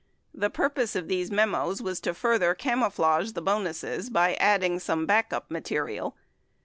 The purpose of these memos was to further camou flage the bonuses by adding some backup material.